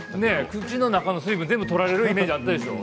口の中の水分が全部取られるイメージがあるでしょう？